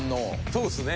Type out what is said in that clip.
そうですね。